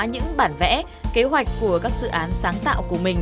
những bản vẽ kế hoạch của các dự án sáng tạo của mình